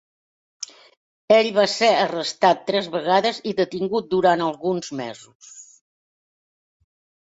Ell va ser arrestat tres vegades i detingut durant alguns mesos.